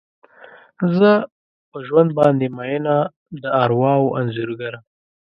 زه په ژوند باندې میینه، د ارواوو انځورګره